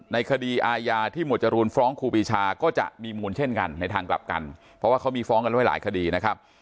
ในคดีอาญาที่หมวดจรูนฟ้องครูปีชาก็จะมีมูลเช่นกันในทางกลับกันเพราะว่าเขามีฟ้องกันไว้หลายคดีนะครับ